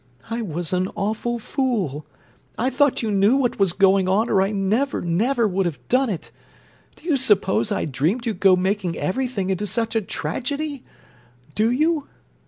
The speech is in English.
"I was an awful fool! I thought you knew what was going on or I never, never would have done it. Do you suppose I dreamed you'd go making everything into such a tragedy? Do you?"